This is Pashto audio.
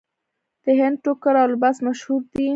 د هند ټوکر او لباس مشهور دی.